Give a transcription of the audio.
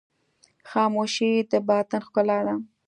خاموشي، د باطن ښکلا ده.